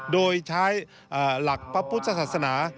โดยใช้หลักพระพุทธศาสนา